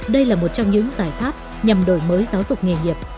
đây là một trong những giải pháp nhằm đổi mới giáo dục nghề nghiệp